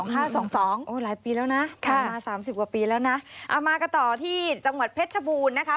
หลายปีแล้วนะมา๓๐กว่าปีแล้วนะเอามากันต่อที่จังหวัดเพชรชบูรณ์นะคะ